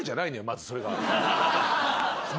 まずそれが。